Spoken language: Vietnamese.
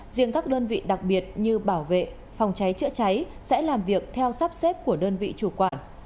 riêng các đơn vị đặc biệt như bảo vệ phòng cháy chữa cháy sẽ làm việc theo sắp xếp của đơn vị chủ quản